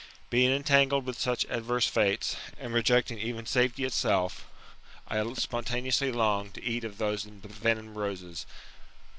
Being entangled with such adverse fates, and rejecting even safety itself, I spontaneously longed to eat of those envenomed roses.